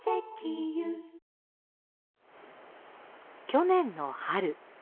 去年の春。